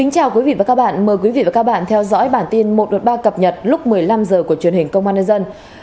chào mừng quý vị đến với bản tin một ba cập nhật lúc một mươi năm h của truyền hình công an nhân dân